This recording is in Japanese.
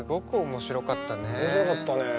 面白かったね。